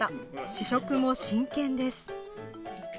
試食も真剣です。